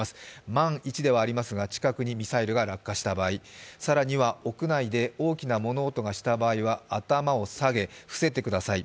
万一ではありますが近くにミサイルが落下した場合、更には屋内で大きな物音がした場合は頭を下げ、伏せてください。